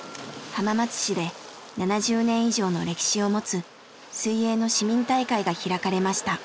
浜松市で７０年以上の歴史を持つ水泳の市民大会が開かれました。